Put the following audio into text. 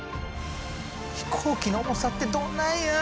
飛行機の重さってどんなんや？